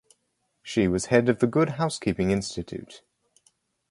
She was head of the Good Housekeeping Institute.